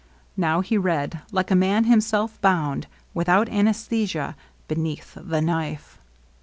Now he read like a man himself bound, without anaesthesia, be neath the knife.